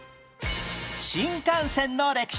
新幹線の歴史